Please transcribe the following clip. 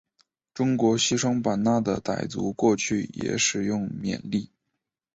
中国西双版纳的傣族过去也使用缅历。